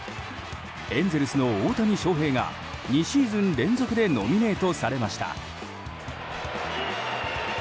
エンゼルスの大谷翔平が２シーズン連続でノミネートされました。